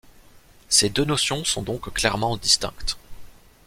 Ces deux notions sont donc clairement distinctes.